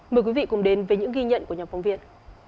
mời quý vị cùng đến với những ghi nhận của nhóm phóng viên